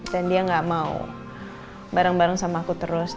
dan dia gak mau bareng bareng sama aku terus